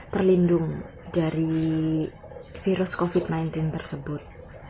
terlindung dari virus covid sembilan belas tersebut